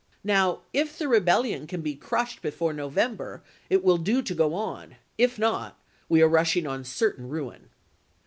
Now if the Rebellion can be crushed before November it will do to go on ; if not, we are rush ing on certain ruin.